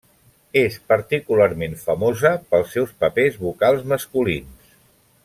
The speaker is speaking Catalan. És particularment famosa pels seus papers vocals masculins.